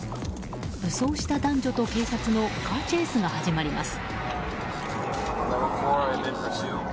武装した男女と警察のカーチェイスが始まります。